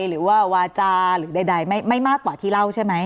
หรือว่าวาจาหรือใดไม่มากกว่าที่เล่าใช่ไหม